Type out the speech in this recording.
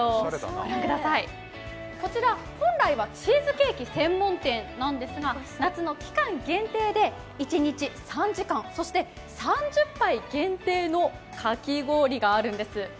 ご覧ください、こちら本来はチーズケーキ専門店なんですが夏の期間限定で、一日３時間、そして３０杯限定のかき氷があるんです。